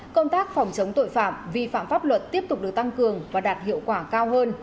công tác phòng chống tội phạm vi phạm pháp luật tiếp tục được tăng cường và đạt hiệu quả cao hơn